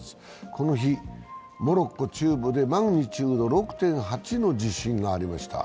この日、モロッコ中部でマグニチュード６．８の地震がありました。